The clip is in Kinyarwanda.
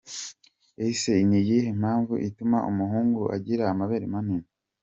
Ese ni iyihe mpamvu ituma umuhungu agira amabere manini?.